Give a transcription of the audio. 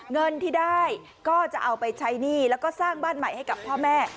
เงินที่ได้ก็จะเอาไปใช้หนี้แล้วก็สร้างบ้านใหม่ให้กับพ่อแม่